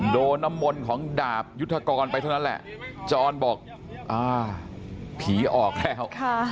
โดนน้ำมนต์ของดาบยุทธกรไปเท่านั้นแหละจรบอกผีออกแล้ว